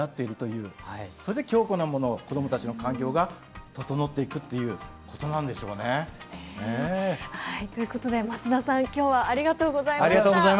それで強固なものを子どもたちの環境が整っていくっていうことなんでしょうね。ということで松田さん今日はありがとうございました。